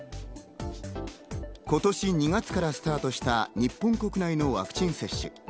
今年２月からスタートした日本国内のワクチン接種。